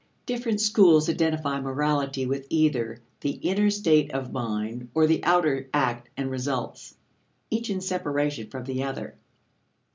Different schools identify morality with either the inner state of mind or the outer act and results, each in separation from the other.